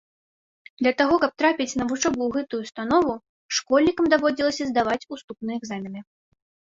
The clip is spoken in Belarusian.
Для таго, каб трапіць на вучобу ў гэтую ўстанову, школьнікам даводзілася здаваць уступныя экзамены.